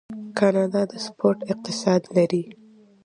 کاناډا د سپورت اقتصاد لري.